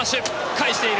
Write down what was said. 返している。